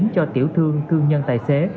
cho tiểu thương thương nhân tài xế